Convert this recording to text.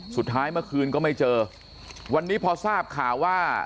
สุดท้ายเมื่อคืนก็ไม่เจอวันนี้พอทราบข่าวว่า